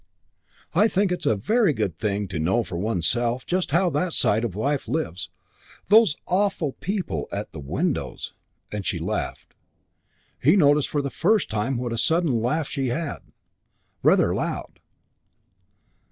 I think it's a very good thing to know for oneself just how that side of life lives. Those awful people at the windows!" and she laughed. He noticed for the first time what a sudden laugh she had, rather loud.